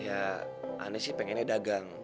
ya anies sih pengennya dagang